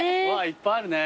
いっぱいあるね。